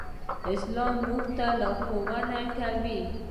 اسلام موږ ته څه لارښوونه کوي؟